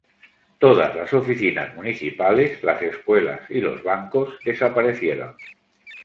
Todas las oficinas municipales, las escuelas y los bancos desaparecieron.